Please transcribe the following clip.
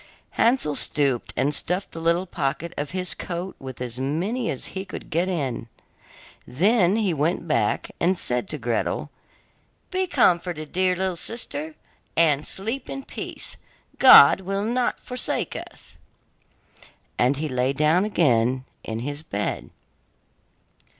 Hansel stooped and stuffed the little pocket of his coat with as many as he could get in. Then he went back and said to Gretel: 'Be comforted, dear little sister, and sleep in peace, God will not forsake us,' and he lay down again in his bed.